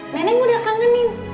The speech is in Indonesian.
neneng udah kangenin